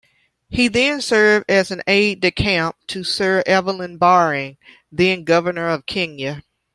He then served as an "aide-de-camp" to Sir Evelyn Baring, then Governor of Kenya.